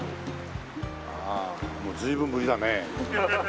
ああもう随分ぶりだね。